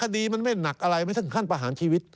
คดีมันไม่หนักอะไรไม่ถึงขั้นประหารชีวิต